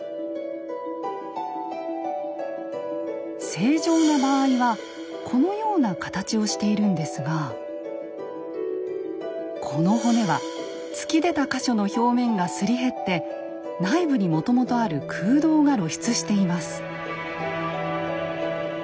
正常な場合はこのような形をしているんですがこの骨は突き出た箇所の表面がすり減って内部にもともとある空洞が露出しています。